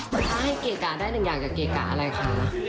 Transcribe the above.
แต่ถ้าให้เกะกะได้หนึ่งอย่างกับเกะกะอะไรคะ